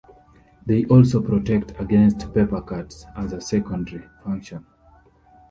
They also protect against paper cuts as a secondary function.